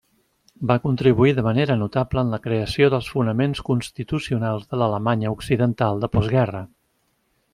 Va contribuir de manera notable en la creació dels fonaments constitucionals d'Alemanya Occidental de postguerra.